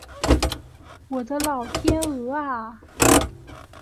我的老天鹅啊